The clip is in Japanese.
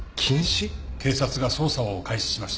警察が捜査を開始しました。